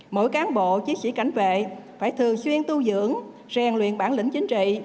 mỗi cán bộ chiến sĩ cảnh vệ phải thường xuyên tu dưỡng rèn luyện bản lĩnh chính trị